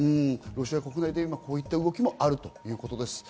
ロシア国内には今こういった動きもあるということです。